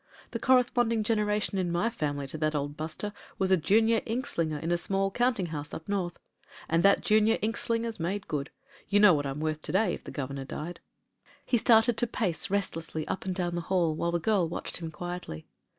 The corresponding generation in my family to that old buster was a junior inkslinger in a small counting house up North. And that jimior inkslinger made good : you know what I'm worth to day if the governor died." THE WOMAN AND THE MAN 251 He started to pace restlessly up and down the hall, while the girl watched him quietly.